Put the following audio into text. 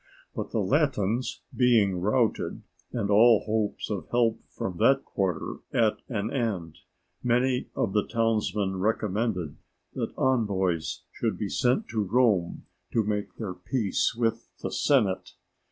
But the Latins being routed and all hopes of help from that quarter at an end, many of the townsmen recommended that envoys should be sent to Rome to make their peace with the senate.